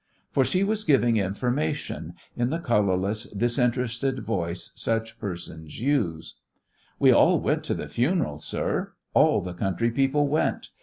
For she was giving information in the colourless, disinterested voice such persons use: "We all went to the funeral, sir, all the country people went.